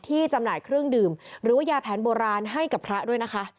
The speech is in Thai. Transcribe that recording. จำหน่ายเครื่องดื่มหรือว่ายาแผนโบราณให้กับพระด้วยนะคะ